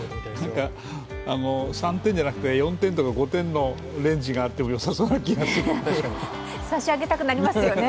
３点じゃなくて４点とか５点のレンジがあっても差し上げたくなりますよね。